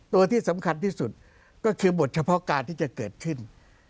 ตัวที่สำคัญที่สุดก็คือบทเฉพาะการที่จะเกิดขึ้น